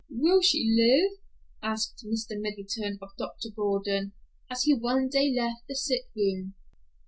"Will she live?" asked Mr. Middleton of Dr. Gordon, as he one day left the sick room.